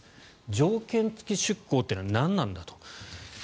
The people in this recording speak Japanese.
条件付き運航というのは何なんだと。